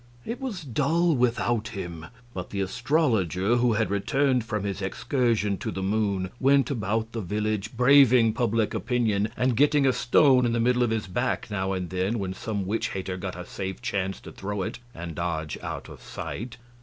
It was dull without him. But the astrologer, who had returned from his excursion to the moon, went about the village, braving public opinion, and getting a stone in the middle of his back now and then when some witch hater got a safe chance to throw it and dodge out of sight.